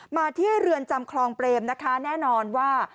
มาที่เรือนจำคลองเปรมนะคะแน่นอนว่า